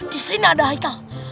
disini ada haikal